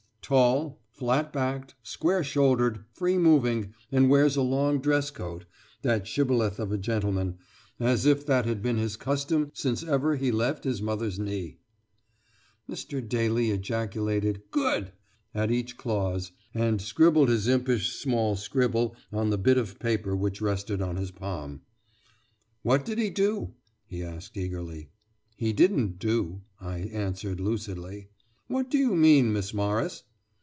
"Tall, flat backed, square shouldered, free moving, and wears a long dress coat that shibboleth of a gentleman as if that had been his custom since ever he left his mother's knee." Mr. Daly ejaculated "good!" at each clause, and scribbled his impish small scribble on the bit of paper which rested on his palm. "What did he do?" he asked eagerly. "He didn't do," I answered lucidly. "What do you mean, Miss Morris?"